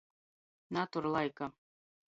Natur laika.